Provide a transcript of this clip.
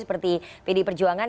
seperti pd perjuangan